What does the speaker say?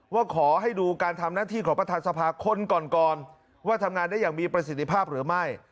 ว่าขอให้ดูการทำหน้าที่ของประธานสภาคนก่อนว่าทำงานได้อย่างมีประสิทธิภาพหรือไม่